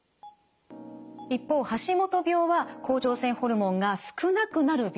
一方橋本病は甲状腺ホルモンが少なくなる病気です。